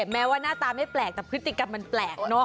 แม้ว่าหน้าตาไม่แปลกแต่พฤติกรรมมันแปลกเนอะ